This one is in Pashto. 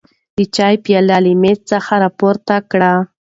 د چای پیاله له مېز څخه پورته کړه.